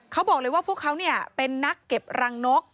เขาบอกเลยว่าพวกเขาเป็นนักเก็บรังนก